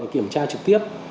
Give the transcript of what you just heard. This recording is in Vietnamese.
kiểm tra trực tiếp